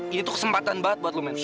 ini tuh kesempatan banget buat lu men